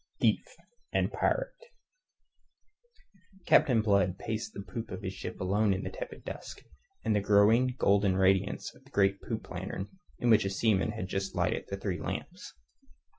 THIEF AND PIRATE Captain Blood paced the poop of his ship alone in the tepid dusk, and the growing golden radiance of the great poop lantern in which a seaman had just lighted the three lamps.